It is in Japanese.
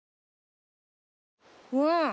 うん。